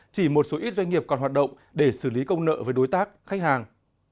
chỉ một số ít doanh nghiệp còn hoạt động để xử lý công nợ với đối tác khách hàng